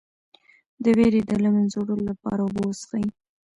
د ویرې د له منځه وړلو لپاره اوبه وڅښئ